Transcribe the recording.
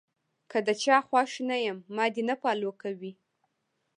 کۀ د چا خوښ نۀ يم ما دې نۀ فالو کوي -